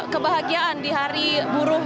kebahagiaan di hari buruh